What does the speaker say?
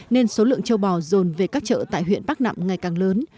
nên số lượng châu bò dồn về các chợ tại huyện bắc nạm ngày càng lớn